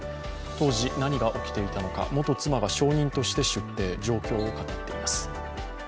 当時、何が起きていたのか元妻が証人として出廷、状況を語っています。